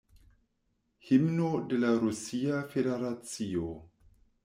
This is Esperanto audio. Himno de la Rusia Federacio.